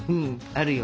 あるよ。